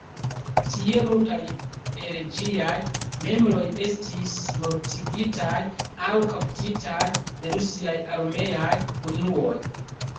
Tie multaj el ĝiaj membroj estis mortigitaj aŭ kaptitaj de rusiaj armeaj unuoj.